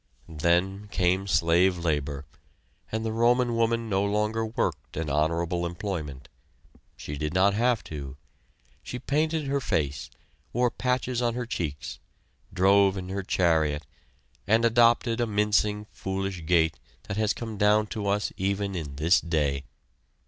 Then came slave labor, and the Roman woman no longer worked at honorable employment. She did not have to. She painted her face, wore patches on her cheeks, drove in her chariot, and adopted a mincing foolish gait that has come down to us even in this day.